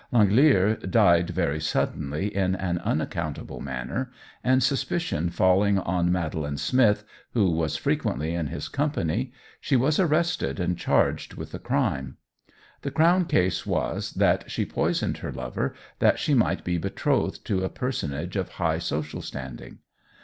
L'Angelier died very suddenly in an unaccountable manner, and suspicion falling on Madeline Smith, who was frequently in his company, she was arrested and charged with the crime. The Crown case was, that she poisoned her lover that she might be betrothed to a personage of high social standing.